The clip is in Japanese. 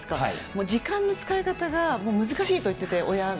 もう時間の使い方がもう難しいと言ってて、親が。